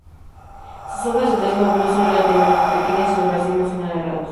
Sus hojas, de tres lóbulos, son relativamente pequeñas y los racimos son alargados.